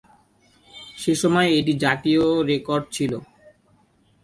সেসময় এটি জাতীয় রেকর্ড ছিল।